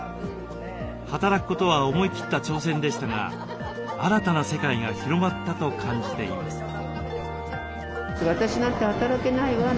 働くことは思い切った挑戦でしたが新たな世界が広がったと感じています。